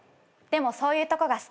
でもそういうとこが好き。